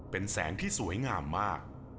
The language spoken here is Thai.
เป็นแสงที่สวยงามมาก